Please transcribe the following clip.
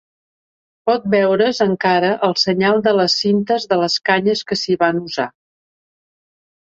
Pot veure's encara el senyal de les cintres de les canyes que s'hi van usar.